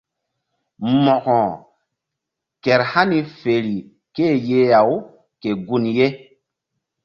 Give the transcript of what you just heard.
Mo̧ko kehr hani fer ké-e yeh-aw ke gun ye.